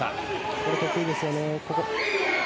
これ得意ですよね。